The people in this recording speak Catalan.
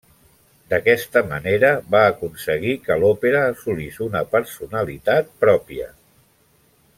D'aquesta manera va aconseguir que l'òpera assolís una personalitat pròpia.